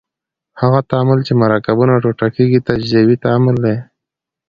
هغه تعامل چې مرکبونه ټوټه کیږي تجزیوي تعامل دی.